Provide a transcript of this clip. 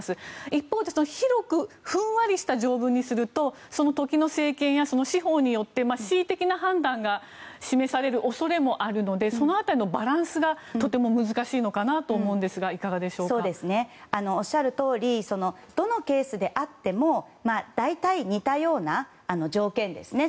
一方で広くふんわりした条文にすると時の政権やその司法によって恣意的な判断が示される恐れもあるのでその辺りのバランスがとても難しいのかなと思うんですがおっしゃるとおりどのケースであっても大体、似たような条件ですね。